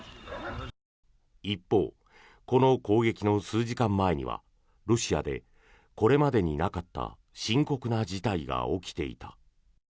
一方、この攻撃の数時間前にはロシアでこれまでになかった深刻な事態が起きていた。